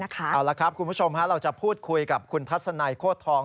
เอาละครับคุณผู้ชมเราจะพูดคุยกับคุณทัศนัยโคตรทอง